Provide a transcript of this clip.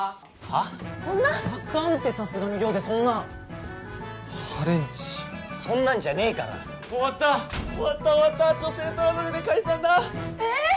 あかんってさすがに寮でそんな破廉恥そんなんじゃねえから終わった終わった終わった女性トラブルで解散だええ！？